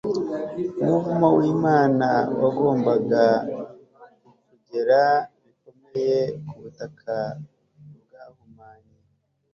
umuvumo wImana wagombaga kugera bikomeye ku butaka bwahumanye